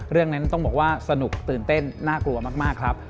เรื่องนั้นต้องบอกว่าสนุกตื่นเต้นน่ากลัวมากครับ